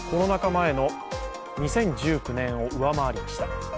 前の２０１９年を上回りました。